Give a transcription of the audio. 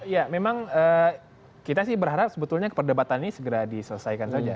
ya memang kita sih berharap sebetulnya perdebatan ini segera diselesaikan saja